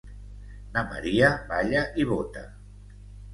Na Maria balla i bota